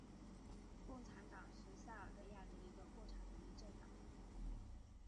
共产党是塞尔维亚的一个共产主义政党。